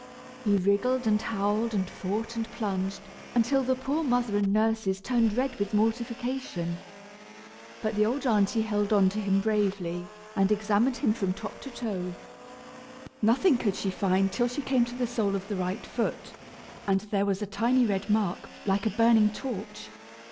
He wriggled, and howled, and fought, and plunged, until the poor mother and nurses turned red with mortification. But the old aunty held on to him bravely, and examined him from top to toe. Nothing could she find, till she came to the sole of the right foot, and there was a tiny red mark like a burning torch.